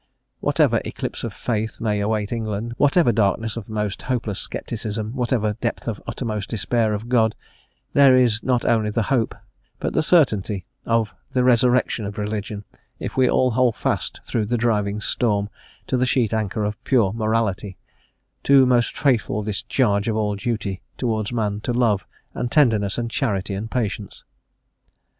Whatever "eclipse of faith" may await England, whatever darkness of most hopeless scepticism, whatever depth of uttermost despair of God, there is not only the hope, but the certainty of the resurrection of religion, if we all hold fast through the driving storm to the sheet anchor of pure morality, to most faithful discharge of all duty towards man to love, and tenderness, and charity, and patience.